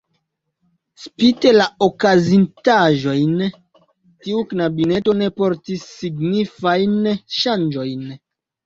Spite la okazintaĵojn, tiu kabineto ne portis signifajn ŝanĝojn.